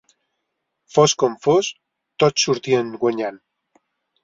Fos com fos, tots sortien guanyant.